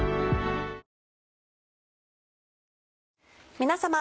皆さま。